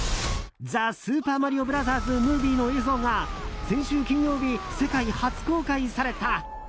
「ザ・スーパーマリオブラザーズ・ムービー」の映像が先週金曜日、世界初公開された。